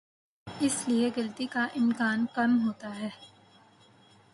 اس لیے غلطی کا امکان کم ہوتا ہے۔